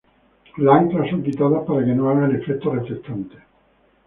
Las anclas son quitadas para que no hagan efecto reflectante.